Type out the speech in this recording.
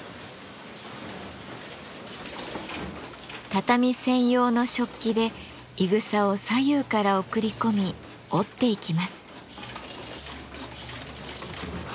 畳専用の織機でいぐさを左右から送り込み織っていきます。